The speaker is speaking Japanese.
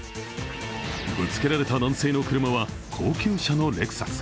ぶつけらけた男性の車は高級車のレクサス。